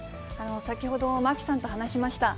先ほど、巻さんと話しました。